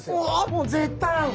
もう絶対合うの。